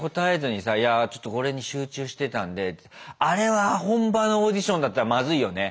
いやあちょっとこれに集中してたんでってあれは本場のオーディションだったらまずいよね。